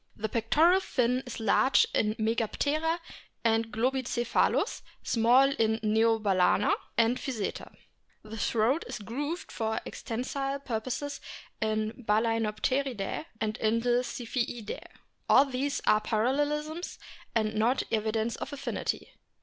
The pectoral fin is large in Megaptera and Globicephalus, small in Neobalcena and Physeter. The throat is grooved for extensile purposes in Balaenopteridae and in the Ziphiidae. All these are parallelisms, and not evidence of affinity.